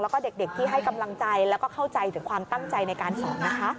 แล้วก็เด็กที่ให้กำลังใจแล้วก็เข้าใจถึงความตั้งใจในการสอนนะคะ